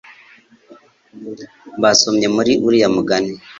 Basomye muri uriya mugani